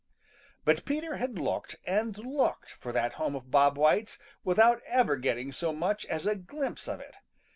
But Peter had looked and looked for that home of Bob White's without ever getting so much as a glimpse of it.